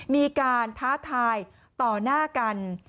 มีการท้าทายต่อหน้ากัน